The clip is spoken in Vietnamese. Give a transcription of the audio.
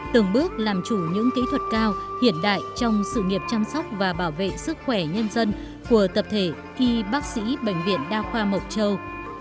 từng bước làm chủ những kỹ thuật cao hiện đại trong sự nghiệp chăm sóc và bảo vệ sức khỏe nhân dân của tập thể y bác sĩ bệnh viện đa khoa mộc châu